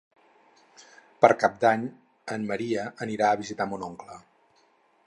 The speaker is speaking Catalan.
Per Cap d'Any en Maria anirà a visitar mon oncle.